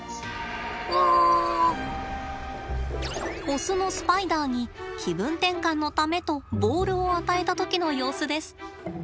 オスのスパイダーに気分転換のためとボールを与えた時の様子です。